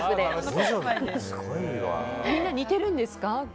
みんな似てるんですか？